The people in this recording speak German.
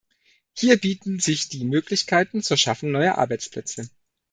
Hier bieten sich die Möglichkeiten zur Schaffung neuer Arbeitsplätze.